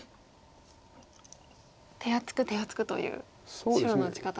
手厚く手厚くという白の打ち方ですか。